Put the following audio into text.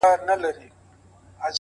خپل د لاس څخه اشـــنــــــا~